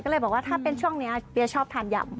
ก็เลยบอกว่าถ้าเป็นช่วงนี้เปี๊ยชอบทานยำ